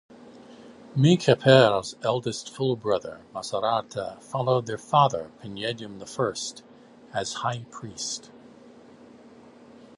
Menkheperre's eldest full brother Masaharta followed their father Pinedjem I as High Priest.